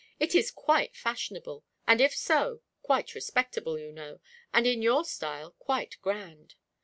It is quite fashionable, and if so, quite respectable, you know, and in your style quite grand.